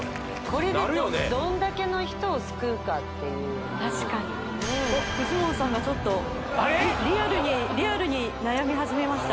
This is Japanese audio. これだとどんだけの人を救うかっていう確かにフジモンさんがちょっとリアルにリアルに悩み始めました